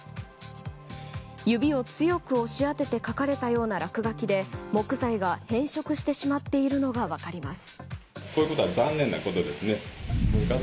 指を強く押し当てて描かれたような落書きで木材が変色してしまっているのが分かります。